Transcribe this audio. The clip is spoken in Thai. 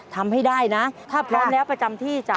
ทำให้ได้นะถ้าพร้อมแล้วประจำที่จ้ะ